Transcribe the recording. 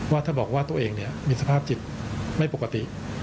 ว่าถ้าบอกว่าตัวเองมีสภาพจิตไม่ปกติ